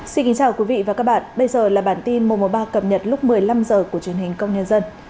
xin kính chào quý vị và các bạn bây giờ là bản tin một trăm một mươi ba cập nhật lúc một mươi năm h của truyền hình công nhân dân